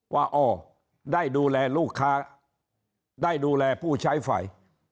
ว่าอ้อได้ดูแลลูกค้าได้ดูแลผู้ใช้ไฟ